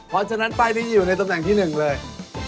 เพราะฉะนั้นป้ายนี้อยู่ในตำแหน่งที่๑เลย